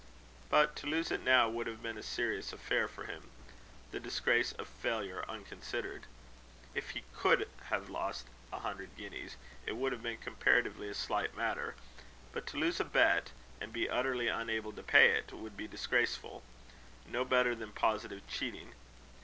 But to lose it now would have been a serious affair for him, the disgrace of failure unconsidered. If he could have lost a hundred guineas, it would have been comparatively a slight matter; but to lose a bet, and be utterly unable to pay it, would be disgraceful no better than positive cheating.